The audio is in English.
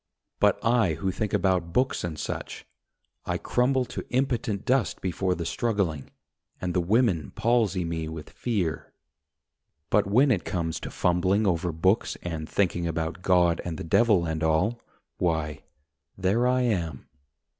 But I who think about books and such I crumble to impotent dust before the struggling, And the women palsy me with fear. But when it comes to fumbling over books And thinking about God and the Devil and all, Why, there I am.